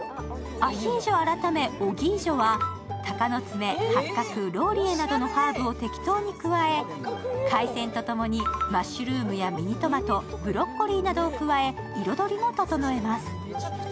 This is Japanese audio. アヒージョ改めオギージョはたかのつめ、八角、ローリエなどのハーブを適当に加え、海鮮とともにマッシュルームやミニトマト、ブロッコリーなどを加え彩りも整えます。